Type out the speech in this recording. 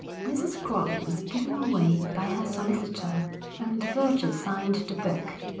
Mrs. Crowley was given away by her solicitor, and the verger signed the book.